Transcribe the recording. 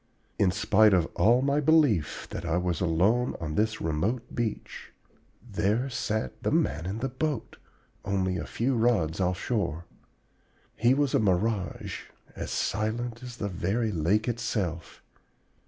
In spite of all my belief that I was alone on this remote beach, there sat the man in the boat, only a few rods off shore. He was as a mirage, as silent as the very lake itself.